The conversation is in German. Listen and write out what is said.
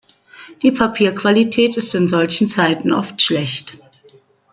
Die Papierqualität ist in solchen Zeiten oft schlecht.